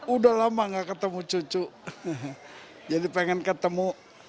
udah lama gak ketemu cucu jadi pengen ketemu